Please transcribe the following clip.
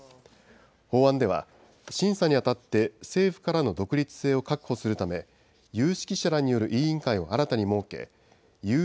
法案では審査にあたって政府からの独立性を確保するため有識者らによる委員会を新たに設け